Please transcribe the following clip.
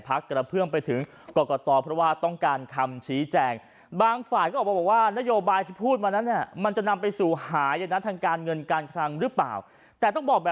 พรักเพื่อไทยช่วงที่ผ่านมาต้องยอมรับอย่างหนึ่ง